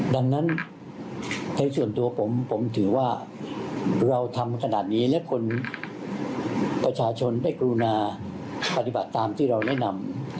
ดังนั้นในส่วนตัวผมผมถือว่าเราทำขนาดนี้และคนประชาชนได้กรุณาปฏิบัติตามที่เราแนะนำ